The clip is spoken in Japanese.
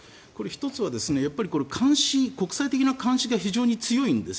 １つは国際的な監視が非常に強いんです。